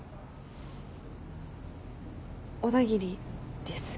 小田切です。